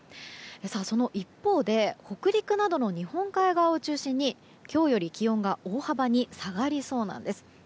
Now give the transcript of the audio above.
その一方で北陸などの日本海側を中心に今日より気温が大幅に下がりそうなんです。